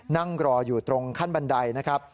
นั่งรออยู่ตรงขั้นบันไดนะครับ